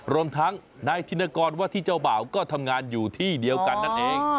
รวมทั้งนายธินกรว่าที่เจ้าบ่าวก็ทำงานอยู่ที่เดียวกันนั่นเอง